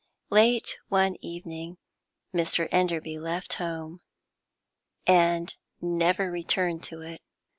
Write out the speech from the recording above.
Late one evening, Mr. Enderby left home, and never returned to it.